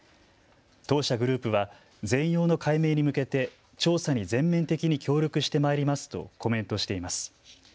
当社グループは全容の解明に向けて調査に全面的に協力してまいりますとコメントしています。